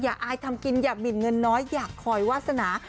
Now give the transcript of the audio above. อายทำกินอย่าบินเงินน้อยอยากคอยวาสนา